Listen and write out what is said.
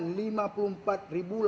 ya pasti nyatanya anak anak libur